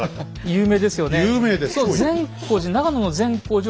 有名です。